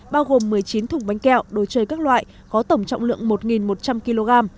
bao gồm một mươi chín thùng bánh kẹo đồ chơi các loại có tổng trọng lượng một một trăm linh kg